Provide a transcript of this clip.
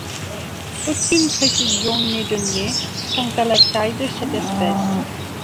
Aucune précision n'est donnée quant à la taille de cette espèce.